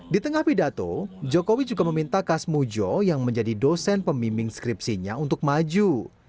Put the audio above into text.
di tengah pidato jokowi juga meminta kas mujo yang menjadi dosen pemimbing skripsinya untuk maju